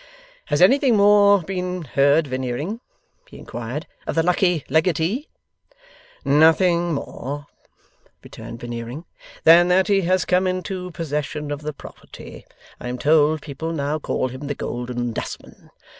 'Has anything more been heard, Veneering,' he inquired, 'of the lucky legatee?' 'Nothing more,' returned Veneering, 'than that he has come into possession of the property. I am told people now call him The Golden Dustman.